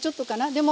でも。